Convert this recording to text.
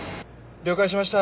了解しました。